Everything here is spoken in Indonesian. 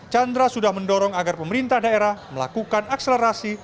chandra sudah mendorong agar pemerintah daerah melakukan akselerasi